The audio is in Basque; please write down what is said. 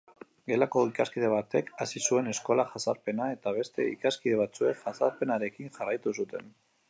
Gelako ikaskide batek hasi zuen eskola-jazarpena eta beste ikaskide batzuek jazarpenarekin jarraitu zuten.